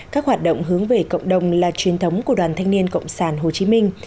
các hoạt động hướng về cộng đồng là truyền thống của đoàn thanh niên cộng sản hồ chí minh